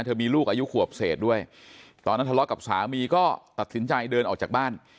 มีลูกอายุขวบเศษด้วยตอนนั้นทะเลาะกับสามีก็ตัดสินใจเดินออกจากบ้าน